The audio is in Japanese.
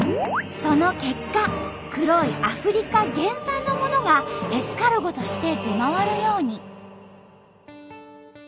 その結果黒いアフリカ原産のものがエスカルゴとして出回るように。